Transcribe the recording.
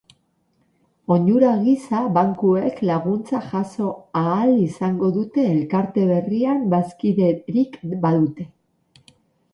Onura gisa, bankuek laguntza jaso ahal izango dute elkarte berrian bazkiderik badute.